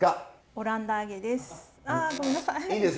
オランダ揚げです。